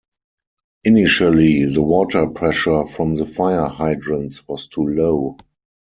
Initially, the water pressure from the fire hydrants was too low.